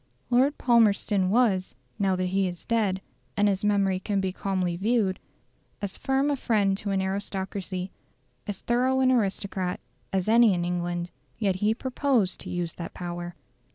Lord Palmerston was now that he is dead, and his memory can be calmly viewed as firm a friend to an aristocracy, as thorough an aristocrat, as any in England; yet he proposed to use that power.